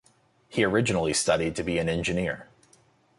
He originally studied to be an engineer.